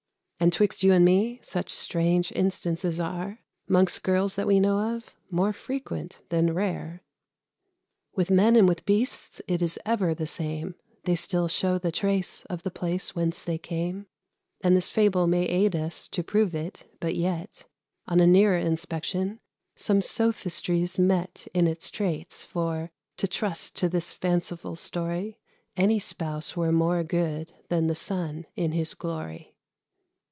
And, 'twixt you and me, such strange instances are, 'Mongst girls that we know of, more frequent than rare. With men and with beasts it is ever the same: They still show the trace of the place whence they came; And this fable may aid us to prove it; but yet, On a nearer inspection, some sophistry's met In its traits; for, to trust to this fanciful story, Any spouse were more good than the Sun in his glory.